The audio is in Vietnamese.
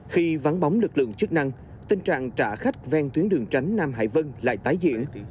khi vắng bóng lực lượng chức năng tình trạng trả khách ven tuyến đường tránh nam hải vân lại tái diễn